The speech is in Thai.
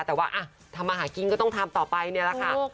แต่ว่าทำมาหากินก็ต้องทำต่อไปเนี่ยแหละค่ะ